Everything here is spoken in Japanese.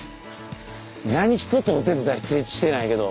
何一つお手伝いしてないけど。